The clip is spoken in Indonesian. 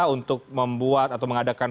untuk membuat atau mengadakan